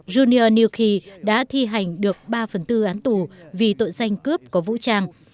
junior newkey đã thi hành được ba phần tư án tù vì tội danh cướp có vũ trang